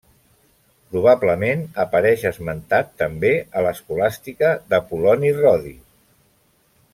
Probablement apareix esmentat també a l'escolàstica d'Apol·loni Rodi.